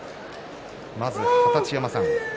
まず二十山さん